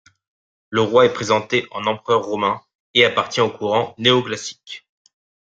Le roi est présenté en empereur romain et appartient au courant néo-classique.